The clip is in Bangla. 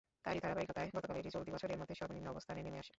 তারই ধারাবাহিকতায় গতকাল এটি চলতি বছরের মধ্যে সর্বনিম্ন অবস্থানে নেমে আসে।